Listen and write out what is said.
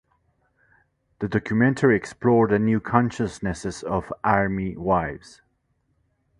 The documentary explored the new consciousnesses of Army wives.